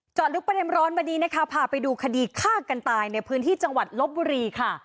ลึกประเด็นร้อนวันนี้นะคะพาไปดูคดีฆ่ากันตายในพื้นที่จังหวัดลบบุรีค่ะ